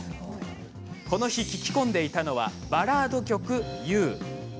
この日、聴き込んでいたのはバラード曲の「Ｙｏｕ」。